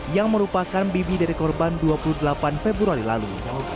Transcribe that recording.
yang merupakan bibi dari korban dua puluh delapan februari lalu